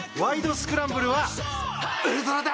スクランブル」はウルトラだ！